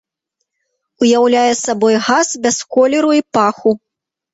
Уяўляе сабой газ без колеру і паху.